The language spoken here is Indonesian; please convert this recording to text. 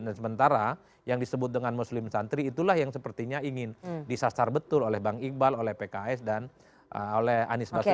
dan sementara yang disebut dengan muslim santri itulah yang sepertinya ingin disasar betul oleh bang iqbal oleh pks dan oleh anies